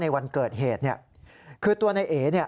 ในวันเกิดเหตุคือตัวนายเอ๋